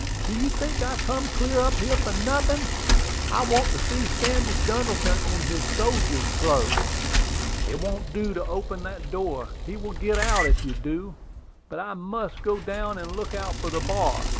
"Do you think I come clear up here for nothin'? I want to see Sandy Duddleton in his sodjer's clothes." "It won't do to open that door: he will git out if you do. But I must go down and look out for the bar.